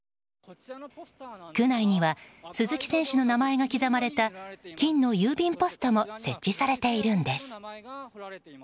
区内には、鈴木選手の名前が刻まれた金の郵便ポストも設置されているんです。